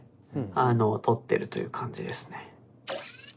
あの録ってるという感じですね。